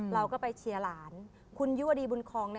เราก็ไปเชียร์หลานคุณยุวดีบุญคอง